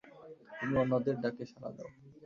তুমি অন্যদের ডাকে সাড়া দাও।